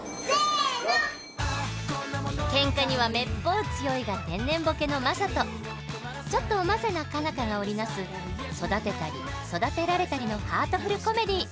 ケンカにはめっぽう強いが天然ボケのマサとちょっとおませな佳奈花が織り成す育てたり育てられたりのハートフルコメディー。